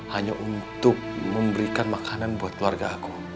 hanya untuk memberikan makanan buat keluarga aku